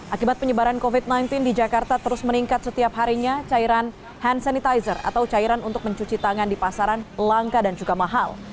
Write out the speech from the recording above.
akibat penyebaran covid sembilan belas di jakarta terus meningkat setiap harinya cairan hand sanitizer atau cairan untuk mencuci tangan di pasaran langka dan juga mahal